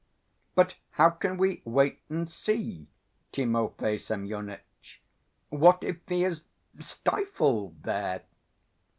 "But how can we wait and see, Timofey Semyonitch? What if he is stifled there?"